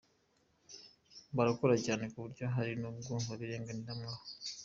Barakora cyane ku buryo hari n’ubwo babirenganiramo aho